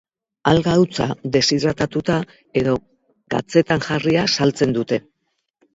Alga hautsa, deshidratatuta edo gatzetan jarria saltzen dute.